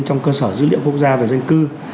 trong cơ sở dữ liệu quốc gia về dân cư